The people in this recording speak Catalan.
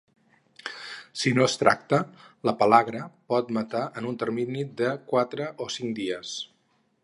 Si no es tracta, la pel·lagra pot matar en el termini d quatre o cinc anys.